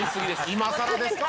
「今さらですか？」